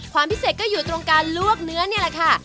ความพิเศษก็อยู่ตรงการลวกเนื้อนี่แหละค่ะ